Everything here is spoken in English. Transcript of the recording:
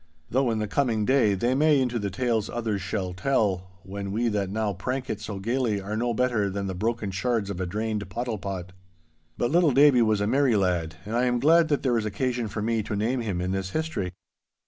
Though, in the coming day, they may into the tales others shall tell, when we that now prank it so gaily are no better than the broken shards of a drained pottle pot. But little Davie was a merry lad, and I am glad that there is occasion for me to name him in this history.